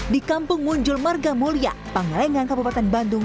di kampung munjul marga mulya panglengang kabupaten bandung